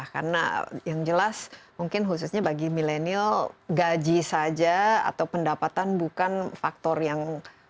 karena yang jelas mungkin khususnya bagi milenial gaji saja atau pendapatan bukan faktor yang